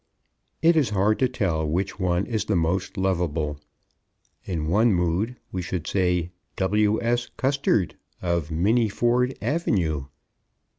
It is hard to tell which one is the most lovable. In one mood we should say W.S. Custard of Minnieford Ave.